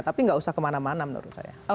tapi nggak usah kemana mana menurut saya